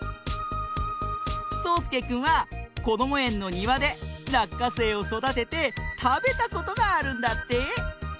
そうすけくんはこどもえんのにわでらっかせいをそだててたべたことがあるんだって。